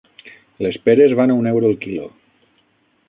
Les peres van a un euro el quilo.